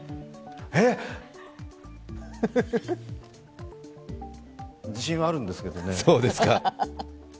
えっ、自信はあるんですけどね。